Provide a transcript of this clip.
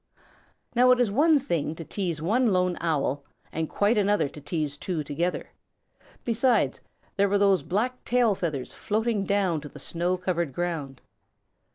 Now it is one thing to tease one lone Owl and quite another to tease two together. Besides, there were those black tail feathers floating down to the snow covered ground.